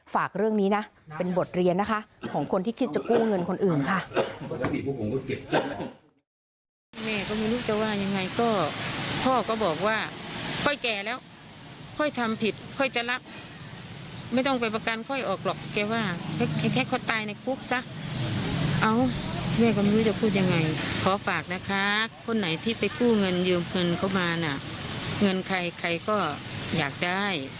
ฝากเรื่องนี้นะเป็นบทเรียนนะคะของคนที่คิดจะกู้เงินคนอื่นค่ะ